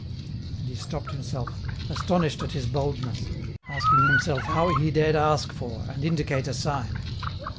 ." And he stopped himself, astonished at his boldness, asking himself how he dared ask for, and indicate a sign.